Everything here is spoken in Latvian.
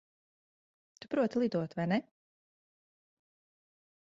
Tu proti lidot, vai ne?